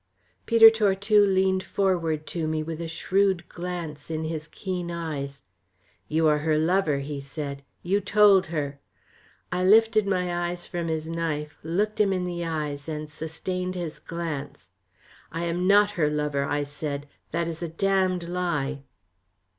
Peter Tortue leaned forward to me with a shrewd glance in his keen eyes. "You are her lover," he said. "You told her." I lifted my eyes from his knife, looked him in the eyes, and sustained his glance. "I am not her lover," I said; "that is a damned lie."